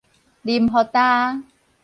啉予焦